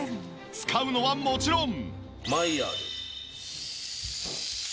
使うのはもちろん。